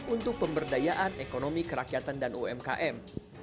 untuk pemberdayaan ekonomi kerakyatan dan umkm